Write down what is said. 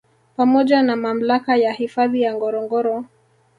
Pamoja na Mamlaka ya Hifadhi ya Ngorongoro